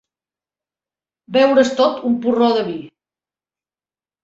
Beure's tot un porró de vi.